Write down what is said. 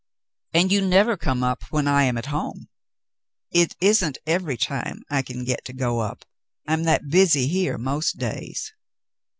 "And you never come up when I am at home ?" "It isn't every time I can get to go up, I'm that busy here most days."